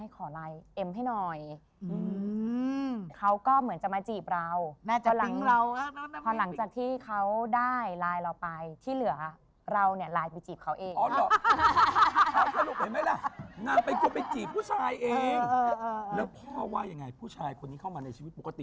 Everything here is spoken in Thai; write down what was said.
ใช่เองแล้วพ่อว่ายังไงผู้ชายคนนี้เข้ามาในชีวิตปกติ